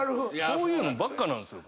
そういうのばっかなんですよ。